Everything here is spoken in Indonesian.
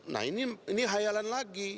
nah ini hayalan lagi